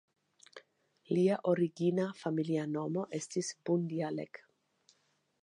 Lia origina familia nomo estis "Bundialek".